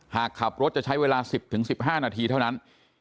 หากขับรถจะใช้เวลา๑๐๑๕นาทีเท่านั้น